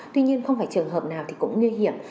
tuy nhiên không phải trường hợp nào thì cũng nguy hiểm